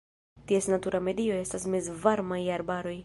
Ties natura medio estas mezvarmaj arbaroj.